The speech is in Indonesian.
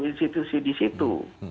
institusi di situ